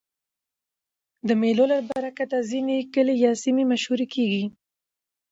د مېلو له برکته ځيني کلي یا سیمې مشهوره کېږي.